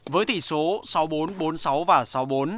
với tỷ số sáu bốn bốn sáu và sáu bốn